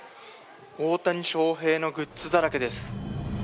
大谷翔平のグッズだらけです。